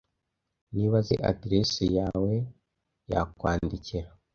Niba azi aderesi yawe, yakwandikira.